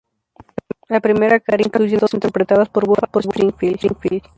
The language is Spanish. La primera cara incluye dos canciones interpretadas por Buffalo Springfield.